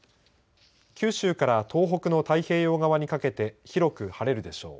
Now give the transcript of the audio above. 九州から東北の太平洋側にかけて広く晴れるでしょう。